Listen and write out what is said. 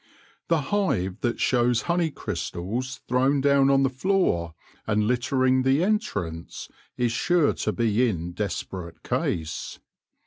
The hive that shows honey crystals thrown down on the floor, and littering the entrance, is sure to be in desperate case.